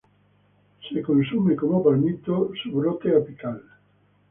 Su brote apical es consumido como palmito.